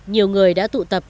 nhiều người đã tụ tập